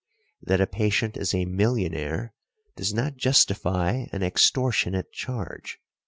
That a patient is a millionaire does not justify an extortionate charge.